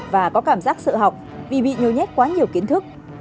và có cảm giác sợ học vì bị nhiều nhét quá nhiều kiến thức